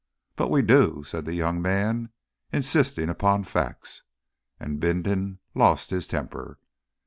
"But we do," said the young man, insisting upon facts, and Bindon lost his temper.